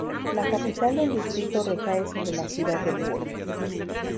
La capital del distrito recae sobre la ciudad de Burg.